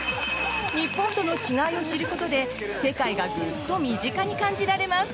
日本との違いを知ることで世界がグッと身近に感じられます。